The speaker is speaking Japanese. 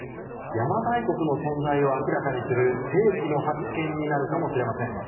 邪馬台国の存在を明らかにする世紀の発見になるかもしれません。